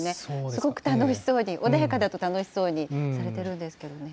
すごく楽しそうに、穏やかだと、楽しそうにされてるんですけどね。